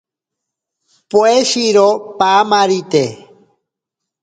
Poeshiro paamarite.